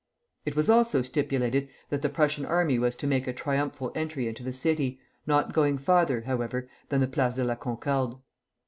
It was also stipulated that the Prussian army was to make a triumphal entry into the city, not going farther, however, than the Place de la Concorde.